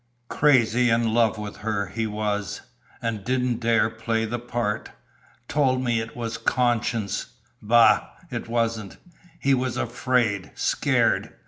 Crazy in love with her, he was, an' didn't dare play the part. Told me it was conscience. Bah! it wasn't. He was afraid. Scared.